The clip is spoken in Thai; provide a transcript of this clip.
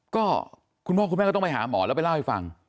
ก็คุณพ่อคุณแม่ก็ต้องไปหาหมอแล้วไปเล่าให้ฟัง